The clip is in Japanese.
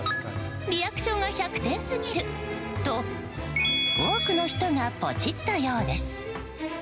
リアクションが１００点すぎると多くの人がポチったようです。